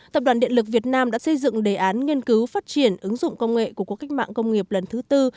tập đoàn điện lực việt nam đã xây dựng đề án nghiên cứu phát triển ứng dụng công nghệ của quốc cách mạng công nghiệp lần thứ tư